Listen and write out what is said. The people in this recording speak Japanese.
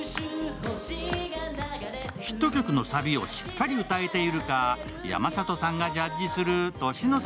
ヒット曲のサビをしっかり歌えているか山里さんがジャッジする年の差